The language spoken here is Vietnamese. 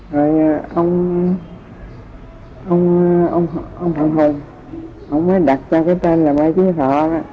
rồi ông thần hùng ông ấy đặt cho cái tên là mai trí thọ